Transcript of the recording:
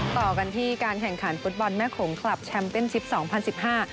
ต่อกันที่การแข่งขันฟุตบอลแม่โขงคลับแชมป์เป็นชิปสองพันสิบห้า